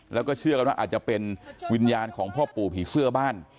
แล้วก็เชื่อกันว่าอาจจะเป็นวิญญาณของพ่อปู่ผีเสื้อบ้าน